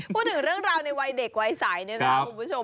พูดถึงเรื่องราวในวัยเด็กวัยใสเนี่ยนะครับคุณผู้ชม